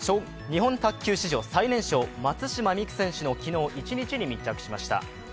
日本卓球史上最年少、松島美空選手の一日に密着しました。